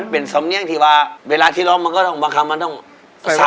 เป็นสำเนียงที่วาเวลาที่ร้องมันต้องปรากฎว่าต้องขำ